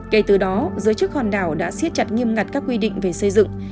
kể từ đó giới chức hòn đảo đã siết chặt nghiêm ngặt các quy định về xây dựng